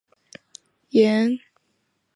岩生香薷为唇形科香薷属下的一个种。